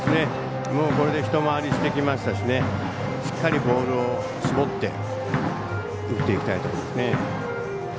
これで１回りしてきましたししっかりボールを絞って打っていきたいところですね。